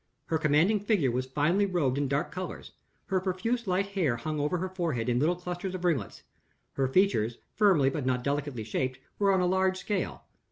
Her commanding figure was finely robed in dark colors; her profuse light hair hung over her forehead in little clusters of ringlets; her features, firmly but not delicately shaped, were on a large scale.